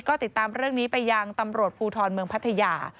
ก็ติดตามเรื่องนี้ไปยังตำรวจภูทรเมืองพัทยา